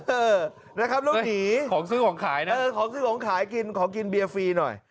เออนะครับแล้วหนีของซื้อของขายนะเออของซื้อของขายกินขอกินเบียร์ฟรีหน่อย